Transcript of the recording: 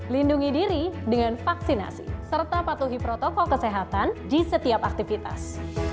lindungi diri dengan vaksinasi serta patuhi protokol kesehatan di setiap aktivitas